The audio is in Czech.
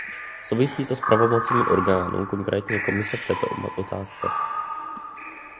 Souvisí to s pravomocemi orgánů, konkrétně Komise, v této otázce.